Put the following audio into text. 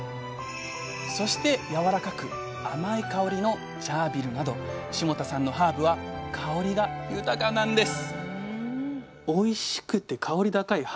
そしてやわらかく甘い香りのチャービルなど霜多さんのハーブは香りが豊かなんです